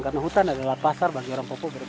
karena hutan adalah pasar bagi orang papua